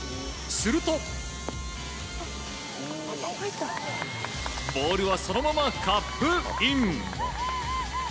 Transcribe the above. するとボールはそのままカップイン。